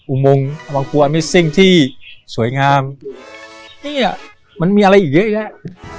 อุโมงอวังพวาไม่สิ้งที่สวยงามนี่มันมีอะไรเยอะแหละ